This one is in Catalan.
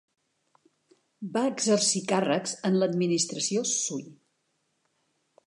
Va exercir càrrecs en l'Administració Sui.